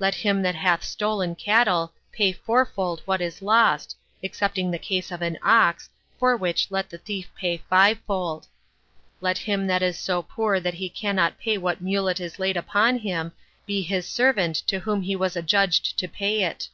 Let him that hath stolen cattle pay fourfold what is lost, excepting the case of an ox, for which let the thief pay fivefold. Let him that is so poor that he cannot pay what mulet is laid upon him, be his servant to whom he was adjudged to pay it.